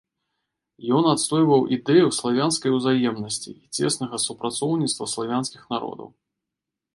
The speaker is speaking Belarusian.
Ён адстойваў ідэю славянскай узаемнасці і цеснага супрацоўніцтва славянскіх народаў.